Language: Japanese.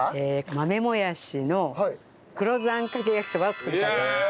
豆もやしの黒酢あんかけ焼きそばを作りたいと思います。